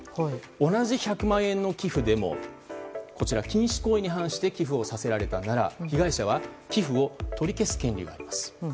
同じ１００万円の寄付でも禁止行為に違反して寄付をさせられたなら被害者は寄付を取り消す権利があります。